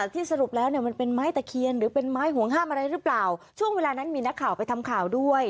ที่สรุปแล้วเนี่ยมันเป็นไม้ตะเคียนหรือเป็นไม้ห่วงห้ามอะไรหรือเปล่าช่วงเวลานั้นมีนักข่าวไปทำข่าวด้วย